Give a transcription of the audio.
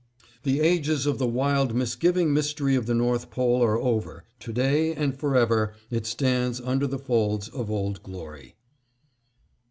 The ages of the wild, misgiving mystery of the North Pole are over, to day, and forever it stands under the folds of Old Glory.